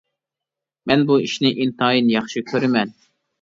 مەن بۇ ئىشنى ئىنتايىن ياخشى كۆرىمەن.